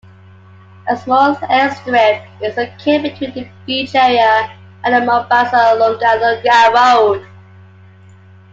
A small airstrip is located between the beach area and the Mombasa-Lunga Lunga road.